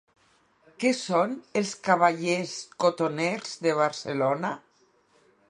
Què són els Cavallets Cotoners de Barcelona?